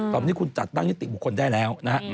ตอนนี้คุณจัดตั้งนิติบุคคลได้แล้วนะฮะ